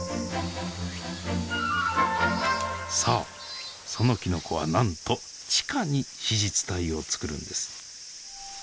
そうそのきのこはなんと地下に子実体をつくるんです。